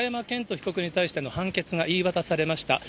被告に対しての、判決が言い渡されました。